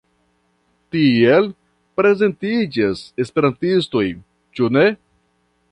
Tiel prezentiĝas esperantistoj, ĉu ne?